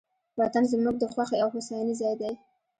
وطن زموږ د خوښۍ او هوساینې ځای دی.